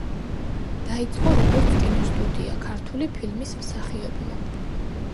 დაიწყო როგორც კინოსტუდია „ქართული ფილმის“ მსახიობმა.